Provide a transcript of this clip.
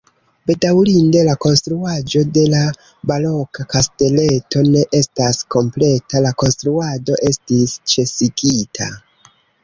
Bedaŭrinde la konstruaĵo de la baroka kasteleto ne estas kompleta, la konstruado estis ĉesigita.